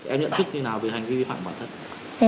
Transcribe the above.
em nhận thức như nào về hành vi vi phạm bản thân